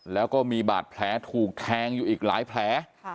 แล้วก็มีบาดแผลถูกแทงอยู่อีกหลายแผล